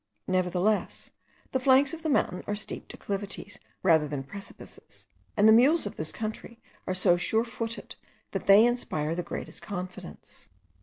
Nevertheless, the flanks of the mountain are steep declivities rather than precipices; and the mules of this country are so sure footed that they inspire the greatest confidence.